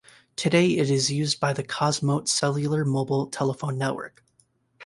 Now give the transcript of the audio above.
Today it is used by the Cosmote cellular mobile telephone network.